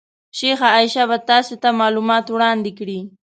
شیخه عایشه به تاسې ته معلومات وړاندې کړي.